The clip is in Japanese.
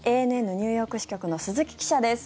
ＡＮＮニューヨーク支局の鈴木記者です。